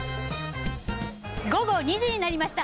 午後２時になりました。